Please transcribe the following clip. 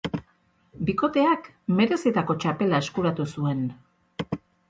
Bikoteak merezitako txapela eskuratu zuen.